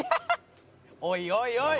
「おいおいおい！」